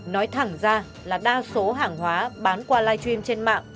nói thẳng ra là đa số hàng hóa bán qua live stream trên mạng